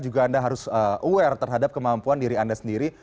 juga anda harus aware terhadap kemampuan diri anda sendiri